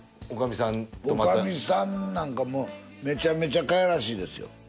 女将さんなんかもうめちゃめちゃかわいらしいですよ。